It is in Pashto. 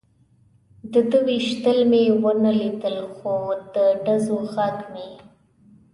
د ده وېشتل مې و نه لیدل، خو د ډزو غږ مې.